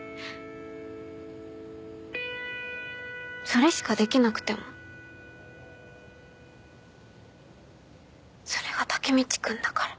それしかできなくてもそれがタケミチ君だから。